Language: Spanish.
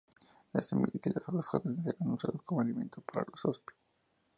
Las semillas y las hojas jóvenes eran usadas como alimento por los Hopi.